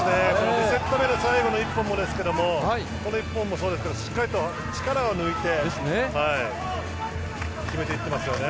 ２セット目の最後の１本もこの１本もしっかりと力を抜いて決めていってますよね。